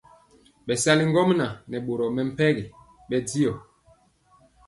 Bɛsali ŋgomnaŋ nɛ boro mepempɔ bɛndiɔ.